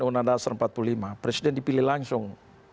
unadas empat puluh lima presiden dipilih langsung